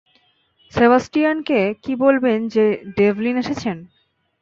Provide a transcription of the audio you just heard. সেবাস্টিয়ানকে কি বলবেন যে ডেভলিন এসেছেন?